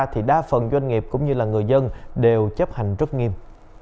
thì đa phần doanh nghiệp cũng như là người dân đều chấp hành rất nghiêm